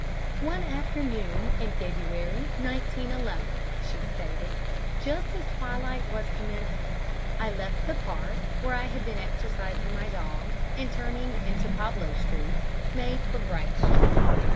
"One afternoon, in February, 1911," she stated, "just as twilight was commencing, I left the Park, where I had been exercising my dog, and turning into Pablo Street, made for Bright Street.